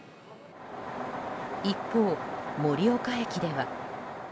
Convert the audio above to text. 一方、盛岡駅では。